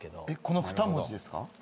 この２文字ですか？